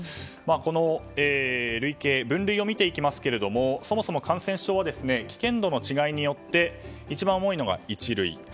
この分類を見ていきますとそもそも感染症は危険度の違いによって一番重いのが一類。